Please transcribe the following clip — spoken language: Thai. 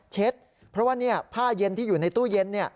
เพราะว่าผ้าเย็นที่อยู่ในตู้เย็น